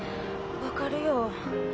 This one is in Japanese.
分かるよ